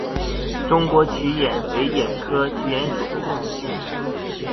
中国鼩鼹为鼹科鼩鼹属的动物。